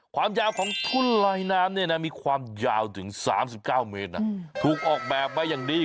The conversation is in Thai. ความยาวของทุ่นลอยน้ำเนี่ยนะมีความยาวถึง๓๙เมตรถูกออกแบบมาอย่างดี